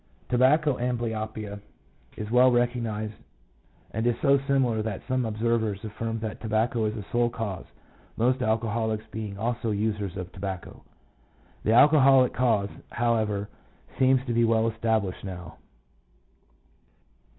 Tobacco amblyopia is well recognized, and is so similar that some observers affirm that tobacco is the sole cause, most alcoholics being also users of tobacco. The alcoholic cause, however, seems to be well established now.